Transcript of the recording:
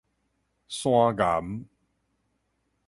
山巖